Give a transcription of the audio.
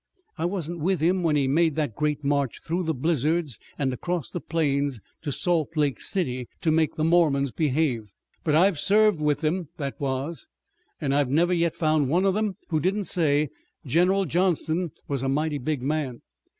I wasn't with him when he made that great march through the blizzards an' across the plains to Salt Lake City to make the Mormons behave, but I've served with them that was. An' I've never yet found one of them who didn't say General Johnston was a mighty big man.